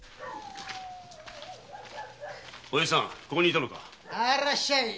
ここに居たのか。